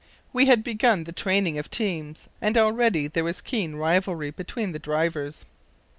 We had begun the training of teams, and already there was keen rivalry between the drivers.